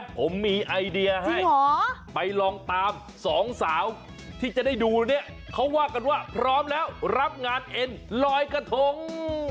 ผมมีไอเดียให้ไปลองตามสองสาวที่จะได้ดูเนี่ยเขาว่ากันว่าพร้อมแล้วรับงานเอ็นลอยกระทง